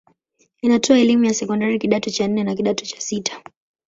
Inatoa elimu ya sekondari kidato cha nne na kidato cha sita.